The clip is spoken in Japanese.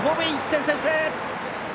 １点先制。